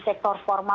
lihat kita terima tama